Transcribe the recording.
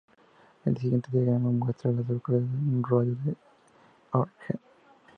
El siguiente diagrama muestra a las localidades en un radio de de Ogden.